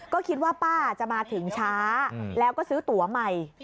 ก็คิดว่าป้าจะมาถึงช้าแล้วก็ซื้อตัวใหม่